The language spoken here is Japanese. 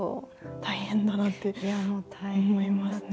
大変だなって思いますね。